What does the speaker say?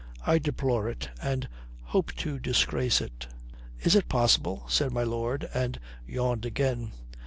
"I deplore it, and hope to disgrace it." "Is it possible?" said my lord, and yawned again.